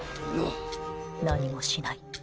何もしない。